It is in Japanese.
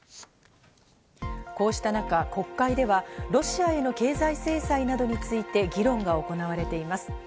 こうした中、国会ではロシアへの経済制裁などについて議論が行われています。